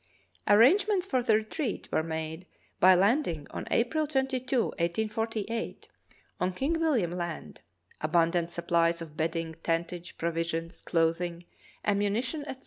Arrangements for the retreat were made by landing on April 22, 1848, on King William Land abundant supplies of bedding, tentage, provisions, clothing, am munition, etc.